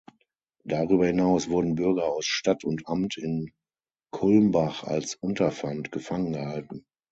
Darüber hinaus wurden Bürger aus Stadt und Amt in Kulmbach als Unterpfand gefangen gehalten.